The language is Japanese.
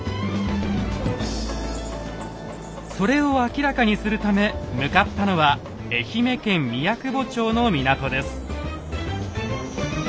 それを明らかにするため向かったのは愛媛県宮窪町の港です。